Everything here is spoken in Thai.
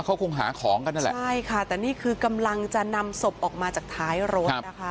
เขาคงหาของกันนั่นแหละใช่ค่ะแต่นี่คือกำลังจะนำศพออกมาจากท้ายรถนะคะ